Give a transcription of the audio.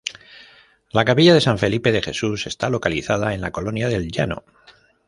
La capilla de San Felipe de Jesús está localizada en la colonia del Llano.